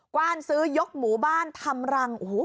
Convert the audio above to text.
ว้านซื้อยกหมู่บ้านทำรัง